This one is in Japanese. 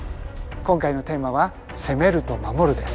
今回のテーマは「攻める」と「守る」です。